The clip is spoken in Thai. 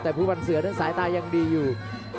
แต่ผู้บันเสือนั้นสายตายังดีอยู่